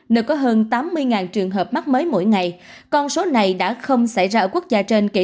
nơi có hơn tám mươi trường hợp mắc mới mỗi ngày con số này đã không xảy ra ở quốc gia trên